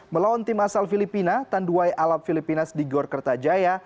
melawan tim asal filipina tanduai alat filipina di gor kertajaya